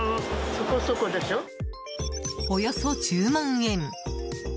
およそ１０万円。